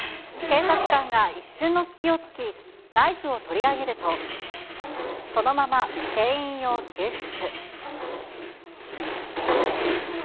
警察官が一瞬の隙をつき、ナイフを取り上げると、そのまま店員を救出。